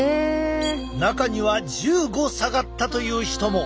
中には１５下がったという人も。